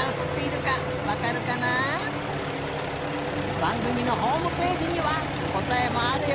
ばんぐみのホームページにはこたえもあるよ！